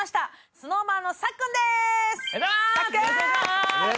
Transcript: ＳｎｏｗＭａｎのさっくんです！